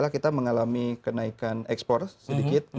kita mengalami kenaikan ekspor sedikit